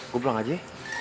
gue pulang aja